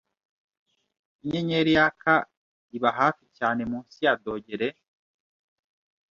inyenyeri yaka iba hafi cyane munsi ya dogere